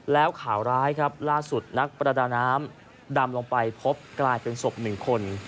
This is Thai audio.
แล้วข่าวร้ายครับล่าสุดนักประดาน้ำดำลงไปพบกลายเป็นศพหนึ่งคน